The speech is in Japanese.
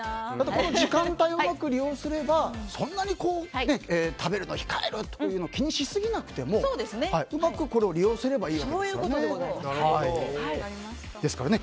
この時間帯をうまく利用すればこんなに食べるのを控えるというのを気にしすぎなくてもうまくこれを利用すればいいわけですからね。